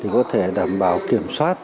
có thể đảm bảo kiểm soát